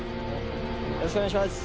よろしくお願いします。